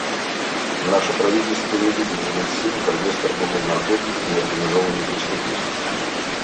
Наше правительство не будет жалеть сил в борьбе с торговлей наркотиками и организованной преступностью.